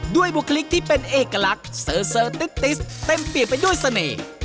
ด้วยบุคลิกที่เป็นเอกลักษณ์เสลอติ๊ดเต็มเปลี่ยนไปด้วยเสน่ห์